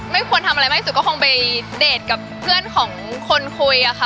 ไม่ควรทำอะไรมากที่สุดก็คงไปเดทกับเพื่อนของคนคุยอะค่ะ